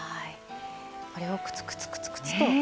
これをクツクツクツクツと。